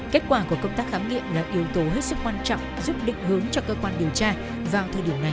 kết quả của công tác khám nghiệm là yếu tố hết sức quan trọng giúp định hướng cho cơ quan điều tra vào thời điểm này